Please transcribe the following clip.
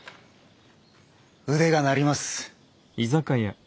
腕が鳴ります。